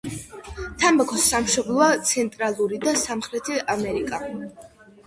თამბაქოს სამშობლოა ცენტრალური და სამხრეთი ამერიკა.